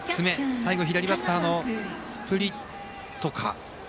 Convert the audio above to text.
最後、左バッターのスプリットか。